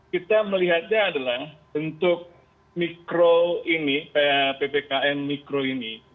kita melihatnya adalah untuk mikro ini ppkm mikro ini